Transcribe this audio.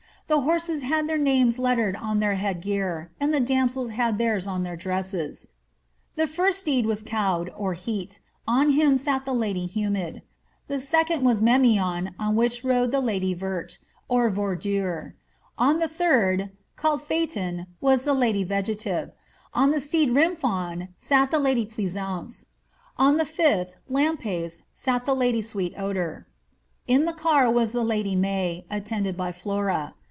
The horses had their names lettered on their head gear, and the damsels had theirs on their dresses. The first steed was Caude, or heat, on him sat the lady Humid ; the second was Memeon, on which rode the lady Vert, or ver dure ; on the third, called Phaeton, was the lady Vegetive ; on the steed Rimphon sat the lady Plesaunce ; on the fiflh, Lampace, sat the lady Sweet Odour. In the car was the lady May, attended by Flora.